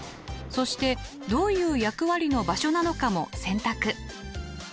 そしてどういう役割の場所なのかも選択。